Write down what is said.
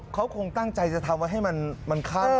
เขาคงตั้งใจจะทำไว้ให้มันข้าม